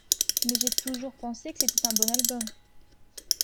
Mais j'ai toujours pensé que c'était un bon album.